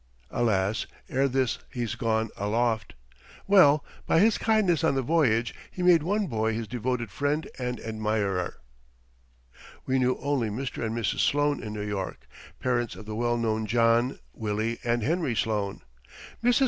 Alas! ere this he's gone aloft. Well; by his kindness on the voyage he made one boy his devoted friend and admirer. We knew only Mr. and Mrs. Sloane in New York parents of the well known John, Willie, and Henry Sloane. Mrs.